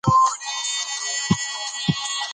پوره خواري او بې طرفي غواړي